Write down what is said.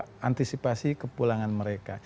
untuk antisipasi kepulangan mereka